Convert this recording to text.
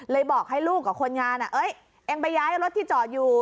บอกให้ลูกกับคนงานเองไปย้ายรถที่จอดอยู่